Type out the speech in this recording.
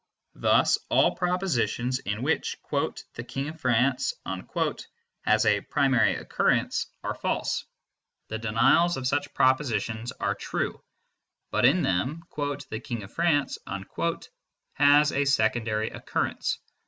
Thus all propositions in which "the King of France" has a primary occurrence are false; the denials of such propositions are true, but in them "the King of France" has a secondary occurrence.